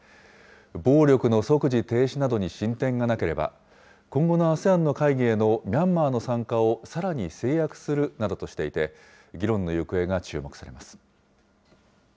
暴力の即時停止などに進展がなければ、今後のＡＳＥＡＮの会議へのミャンマーの参加をさらに制約するなどとしていて、議論の行方が注目されます。